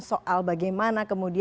soal bagaimana kemudian